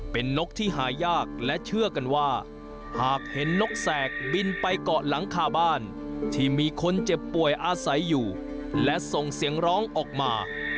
เป็นนกที่หายากและเชื่อกันว่าหากเห็นนกแสกบินไปเกาะหลังคาบ้านที่มีคนเจ็บป่วยอาศัยอยู่และส่งเสียงร้องออกมา